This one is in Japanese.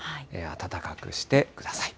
暖かくしてください。